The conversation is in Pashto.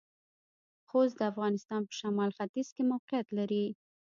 خوست د افغانستان پۀ شمالختيځ کې موقعيت لري.